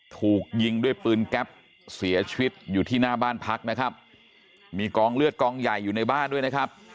ถูกยิงด้วยปืนแก๊ปเสียชีวิตอยู่ที่หน้าบ้านพักนะครับมีกองเลือดกองใหญ่อยู่ในบ้านด้วยนะครับ